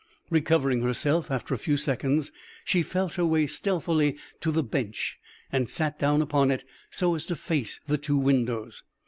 Recovering herself after a few seconds, she felt her way stealthily to the bench and sat down upon it so as to face the two windows.